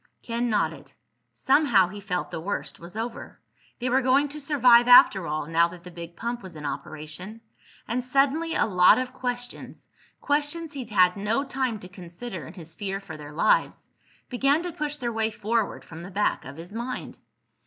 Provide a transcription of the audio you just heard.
Ken nodded. Somehow he felt the worst was over. They were going to survive after all, now that the big pump was in operation. And suddenly a lot of questions—questions he'd had no time to consider in his fear for their lives—began to push their way forward from the back of his mind.